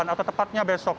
atau tepatnya besok